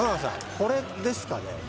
これですかね？